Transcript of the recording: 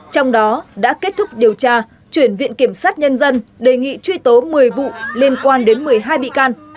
trong đó đã kết thúc điều tra chuyển viện kiểm sát nhân dân đề nghị truy tố một mươi vụ liên quan đến một mươi hai bị can